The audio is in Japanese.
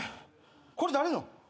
これ誰の？